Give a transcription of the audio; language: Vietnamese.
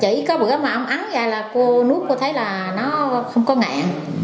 chỉ có bữa mà ông ăn ra là cô nuốt cô thấy là nó không có ngạn